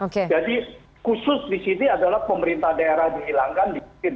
jadi khusus di sini adalah pemerintah daerah dihilangkan